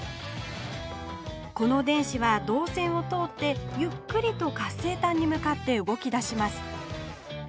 この電子はどうせんを通ってゆっくりと活性炭に向かって動きだします